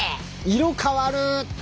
色変わる！